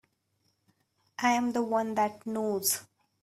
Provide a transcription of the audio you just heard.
I'm the one that knows.